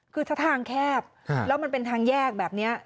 คือถ้าทางแคบแล้วมันเป็นทางแยกแบบนี้